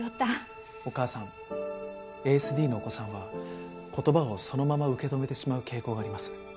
ＡＳＤのお子さんは言葉をそのまま受け止めてしまう傾向があります。